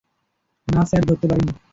না স্যার, ধরতে পারিনি।